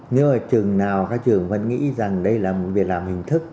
nếu là trường nào các trường vẫn nghĩ rằng đây là một việc làm hình thức